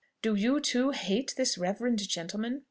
Do you too hate this reverend gentleman?"